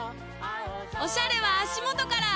おしゃれは足元から！